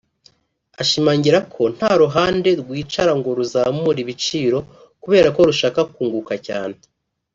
Ashimangira ko nta ruhande rwicara ngo ruzamure ibiciro kubera ko rushaka kunguka cyane